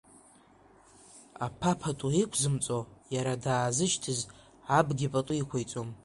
Аԥа пату иқәзымҵо Иара даазышьҭыз Абгьы пату иқәиҵом.